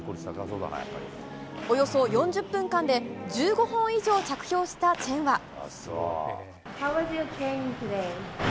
およそ４０分間で１５本以上着氷したチェンは。